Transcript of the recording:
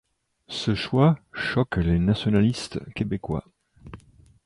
Ce choix choque les nationalistes québécois.